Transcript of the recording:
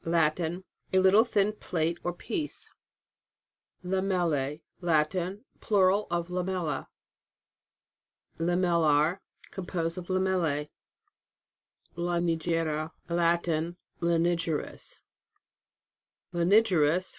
Latin. A little thin plate or piece. LAMELLAE. Latin. Plural of Lamella. LAMELLAR. Composed of Lamellae. LANIGERA. Latin. Lanigerous. LANIGEROUS.